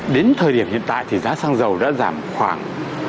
đến thời điểm hiện tại thì giá xăng dầu đã giảm khoảng